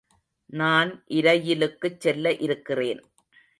நான் இரயிலுக்குச் செல்ல இருக்கிறேன்.